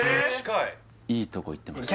いいとこいってます